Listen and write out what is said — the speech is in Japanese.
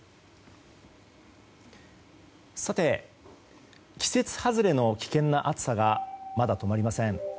さて、季節外れの危険な暑さがまだ止まりません。